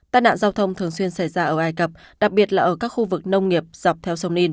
tai nạn giao thông thường xuyên xảy ra ở ai cập đặc biệt là ở các khu vực nông nghiệp dọc theo sông nin